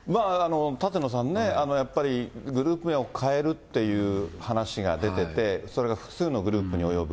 舘野さんね、やっぱりグループ名を変えるっていう話が出てて、それが複数のグループに及ぶ。